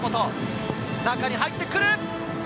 中に入ってくる！